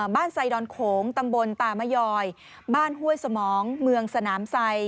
ไซดอนโขงตำบลตามยอยบ้านห้วยสมองเมืองสนามไซ